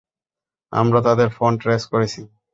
আমরা তাদের phone trace করেছি।